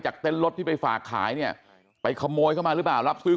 เต้นรถที่ไปฝากขายเนี่ยไปขโมยเข้ามาหรือเปล่ารับซื้อ